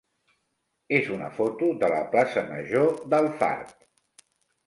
és una foto de la plaça major d'Alfarb.